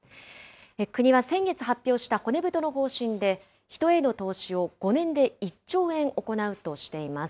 国は先月発表した骨太の方針で、人への投資を５年で１兆円行うとしています。